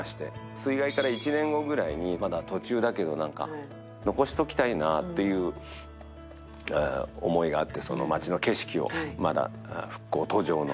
水害から１年後ぐらいに、まだ途中だけど残しておきたいなという思いがあって、町の景色を、まだ復興途上の。